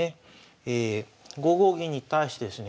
５五銀に対してですね